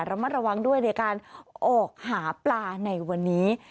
ระมัดระวังด้วยในการออกหาปลาในวันนี้